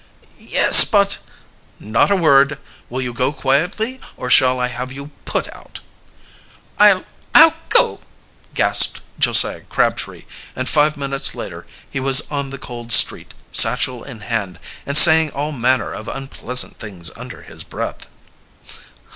"Yes, but " "Not a word. Will you go quietly, or shall I have you put out?" "I'll I'll go!" gasped Josiah Crabtree, and five minutes later he was on the cold street, satchel in hand, and saying all manner of unpleasant things under his breath.